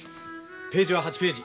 ページは８ページ。